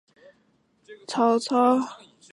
辛毗后来跟随曹操。